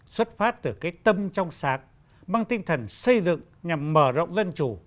xuất phát từ cái tâm trong sáng mang tinh thần xây dựng nhằm mở rộng dân chủ